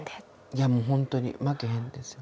いやもう本当に「負けへんで」ですよ。